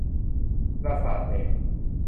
ประสาทแดก